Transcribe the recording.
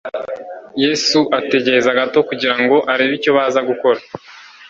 Yesu ategereza gato kugira ngo arebe icyo baza gukora.